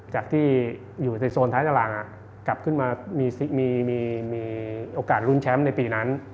จากที่อยู่ในโซนท้ายตารางกลับขึ้นมามีโอกาสลุ้นแชมป์ในปีนั้น